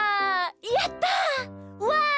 やったわい！